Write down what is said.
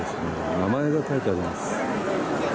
名前が書いてあります。